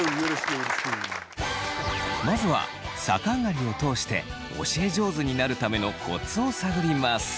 まずは逆上がりを通して教え上手になるためのコツを探ります。